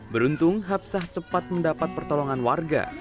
beruntung hapsah cepat mendapat pertolongan warga